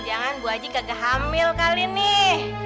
tuhan bu haji gak kehamil kali nih